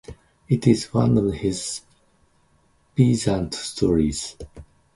It is one of his peasant stories.